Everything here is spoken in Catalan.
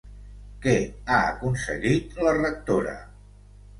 Què ha aconseguit la rectora?